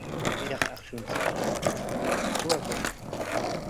¿Piraq akshunchikta suwakurqan?